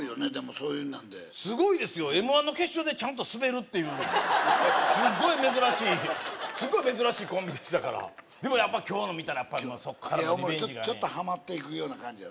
そういうなんですごいですよＭ−１の決勝でちゃんとスベるっていうすごい珍しいコンビでしたからでもやっぱ今日の見たらそこからのイメージがちょっとハマっていくような感じ